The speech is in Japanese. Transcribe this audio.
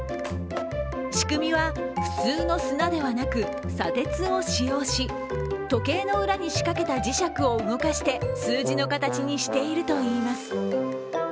仕組みは、普通の砂ではなく砂鉄を使用し時計の裏に仕掛けた磁石を動かして数字の形にしているといいます。